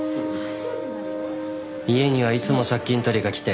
家にはいつも借金取りが来て。